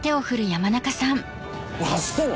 走ってんの？